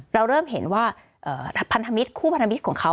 เราเริ่มเห็นว่าพันธมิตรคู่พันธมิตรของเขา